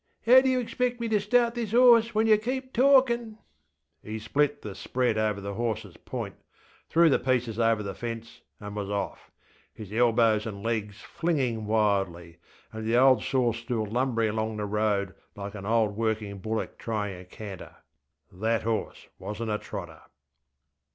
How do yer expect me to start this horse when yer keep talkinŌĆÖ? ŌĆÖ He split the ŌĆśspreadŌĆÖ over the horseŌĆÖs point, threw the pieces over the fence, and was off, his elbows and legs flinging wildly, and the old saw stool lumbering along the road like an old working bullock trying a canter. That horse wasnŌĆÖt a trotter.